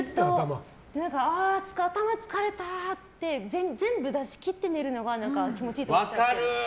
頭疲れたって全部出し切って寝るのが気持ちいって思っちゃって。